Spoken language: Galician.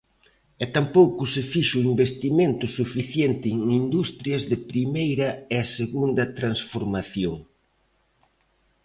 E tampouco se fixo investimento suficiente en industrias de primeira e segunda transformación.